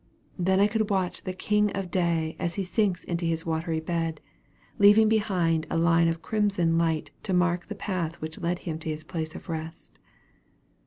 Then could I watch the king of day as he sinks into his watery bed, leaving behind a line of crimson light to mark the path which led him to his place of rest.